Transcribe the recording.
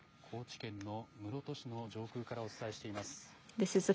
高知県の室戸市の上空からお伝えしています。